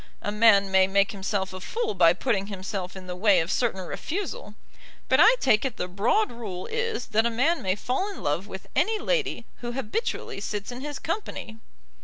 A man may make himself a fool by putting himself in the way of certain refusal; but I take it the broad rule is that a man may fall in love with any lady who habitually sits in his company."